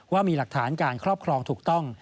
ว่ามีหลักฐานการครอบครองถูกต้อง